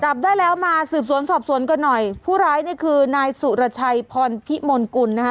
จับได้แล้วมาสืบสวนสอบสวนกันหน่อยผู้ร้ายเนี่ยคือนายสุรชัยพรพิมลกุลนะคะ